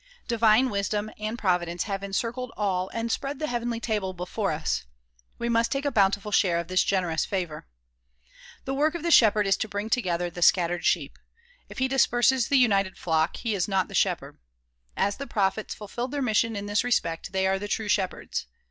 Divine wisdom and providence have encircled all and spread the heavenly table before us. We must take a bountiful share of this generous favor. The work of the shepherd is to bring together the scattered sheep. If he disperses the united flock he is not the shepherd. As the prophets fulfilled their mission in this respect, they are the true shepherds.